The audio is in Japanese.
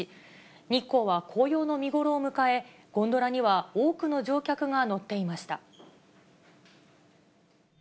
日光は紅葉の見頃を迎え、ゴンドラには多くの乗客が乗っていました。